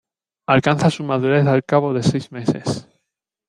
Alcanza su madurez al cabo de seis meses.